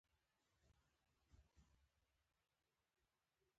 د سترې محکمې غړي قاضي په توګه وټاکل شو.